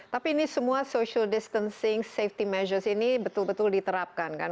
tapi ini semua social distancing safety measures ini betul betul diterapkan kan